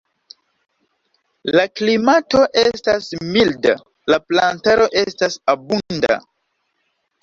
La klimato estas milda, la plantaro estas abunda.